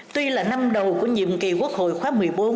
tuy là năm đầu của nhiệm kỳ quốc hội khóa một mươi bốn